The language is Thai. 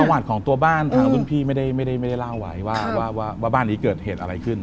ประวัติของตัวบ้านทางรุ่นพี่ไม่ได้เล่าไว้ว่าบ้านนี้เกิดเหตุอะไรขึ้น